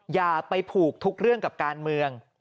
อย่าไปผูกทุกเรื่องกับการเมือง